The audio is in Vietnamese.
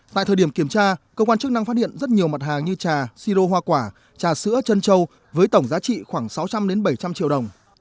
tại thời điểm kiểm tra cơ quan chức năng phát hiện rất nhiều mặt hàng như trà si rô hoa quả trà sữa chân châu với tổng giá trị khoảng sáu trăm linh bảy trăm linh triệu đồng